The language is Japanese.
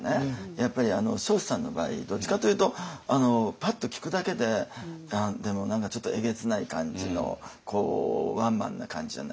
やっぱり彰子さんの場合どっちかというとパッと聞くだけで何かちょっとえげつない感じのこうワンマンな感じじゃないですか。